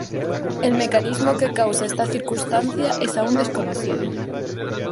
El mecanismo que causa esta circunstancia es aún desconocido.